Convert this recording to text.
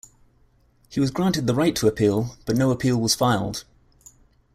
He was granted the right to appeal, but no appeal was filed.